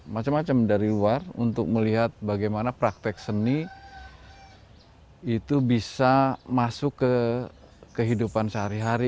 macam macam dari luar untuk melihat bagaimana praktek seni itu bisa masuk ke kehidupan sehari hari